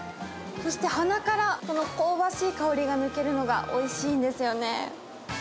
そして鼻から、この香ばしい香りが抜けるのがおいしいんですよね。